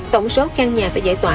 tổng số căn nhà phải giải tỏa